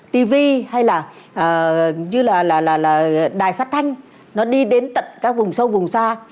tv hay là như là đài phát thanh nó đi đến tận các vùng sâu vùng xa